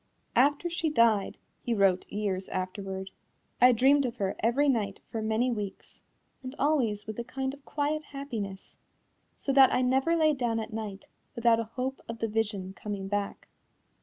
"After she died," he wrote years afterward, "I dreamed of her every night for many weeks, and always with a kind of quiet happiness, so that I never lay down at night without a hope of the vision coming back."